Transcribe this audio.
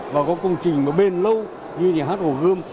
và có công trình bền lâu như nhà hát hồ gươm